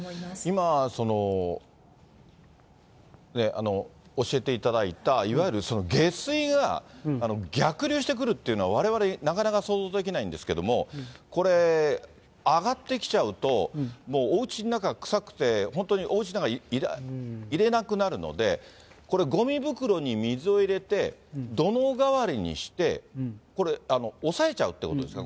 今、教えていただいた、いわゆる下水が逆流してくるっていうのは、われわれ、なかなか想像できないんですけれども、これ、上がってきちゃうともうおうちの中臭くて、本当におうちの中、いれなくなるので、これ、ごみ袋に水を入れて、土のう代わりにして、これ、押さえちゃうってことですか？